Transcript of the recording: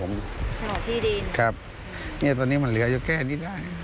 ของที่ดินครับตอนนี้มันเหลือแค่นี้ได้